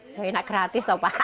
tidak enak gratis pak